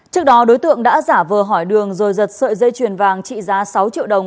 trước đó đối tượng đã giả vờ hỏi đường rồi giật sợi dây chuyền vàng trị giá sáu triệu đồng